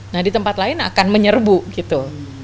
nah di tempat lain akan menyerbu gitu